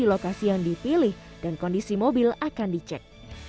kondisi yang dipilih dan kondisi mobil akan dicek